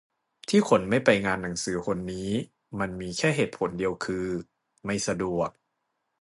ที่คนไม่ไปงานหนังสือหนนี้มันมีแค่เหตุผลเดียวคือไม่สะดวก